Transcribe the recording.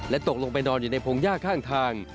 ตกลงไปนอนอยู่ในพงหญ้าข้างทาง